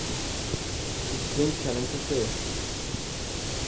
Ich trinke keinen Kaffee.